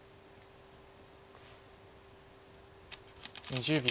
２０秒。